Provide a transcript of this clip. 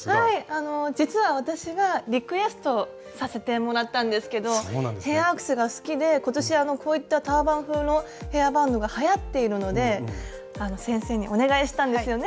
実は私がリクエストさせてもらったんですけどヘアアクセが好きで今年こういったターバン風のヘアバンドがはやっているので先生にお願いしたんですよね。